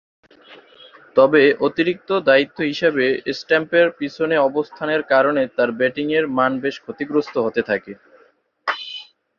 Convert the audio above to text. তবে, অতিরিক্ত দায়িত্ব হিসেবে স্ট্যাম্পের পিছনে অবস্থানের কারণে তার ব্যাটিংয়ের মান বেশ ক্ষতিগ্রস্ত হতে থাকে।